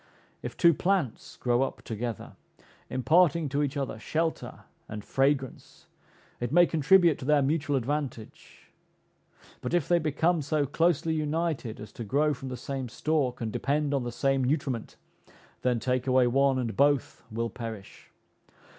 If two plants grow up together, imparting to each other shelter and fragrance, it may contribute to their mutual advantage; but if they become so closely united as to grow from the same stalk, and depend on the same nutriment, then take away one, and both will perish.